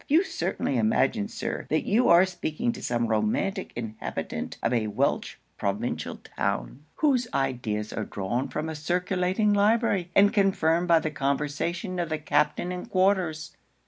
You certainly imagine, Sir, that you are speaking to some romantic inhabitant of a Welch provincial town, whose ideas are drawn from a circulating library, and confirmed by the conversation of the captain in quarters.'